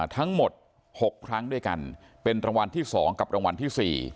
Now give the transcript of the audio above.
ทั้งหมด๖ครั้งด้วยกันเป็นรางวัลที่๒กับรางวัลที่๔